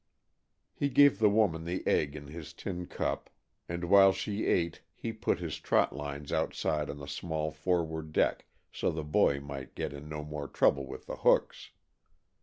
He gave the woman the egg in his tin cup, and while she ate he put his trot lines outside on the small forward deck so the boy might get in no more trouble with the hooks.